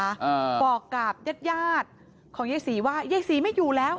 อ่าบอกกับญาติญาติของยายศรีว่ายายศรีไม่อยู่แล้ว